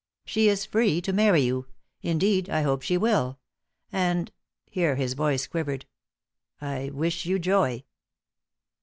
She is free to marry you, indeed, I hope she will, and" here his voice quivered "I wish you joy."